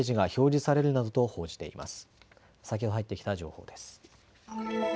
先ほど入ってきた情報です。